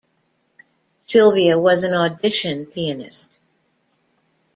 Sylvia was an audition pianist.